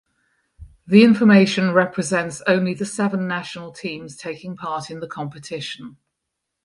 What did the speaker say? The information represents only the seven national teams taking part in the competition.